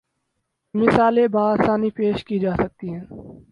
مثالیں باآسانی پیش کی جا سکتی ہیں